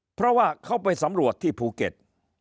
เพราะว่าเขาไปสำรวจที่ภูเก็ต